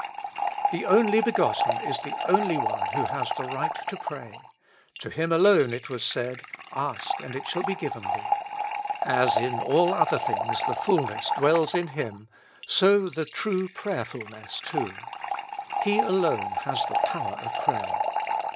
The Only begotten is the only one who has the 212 With Christ in the School of Prayer right to pray, to Him alone it was said, "Ask, and it shall be given Thee." As in all other things the fulness dwells in Him, so the true prayer fulness too ; He alone has the power of prayer.